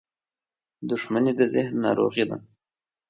• دښمني د ذهن ناروغي ده.